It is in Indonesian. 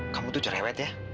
kamu tuh cerewet ya